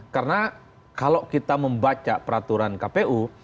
karena kalau kita membaca peraturan kpu